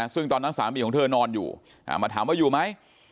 ซึ่งตอนนั้นสามีของเธอนอนอยู่มาถามว่าอยู่ไหม